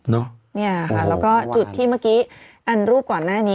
นี่ค่ะแล้วก็จุดที่เมื่อกี้อันรูปก่อนหน้านี้